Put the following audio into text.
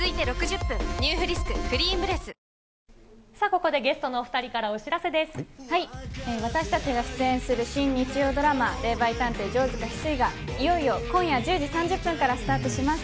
ここでゲストのお２人からお私たちが出演する新日曜ドラマ、霊媒探偵・城塚翡翠がいよいよ今夜１０時３０分からスタートします。